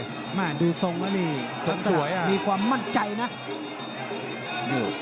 ดูใจแล้วหรือมั้งนี้มีความมั่นใจนะทรงสวย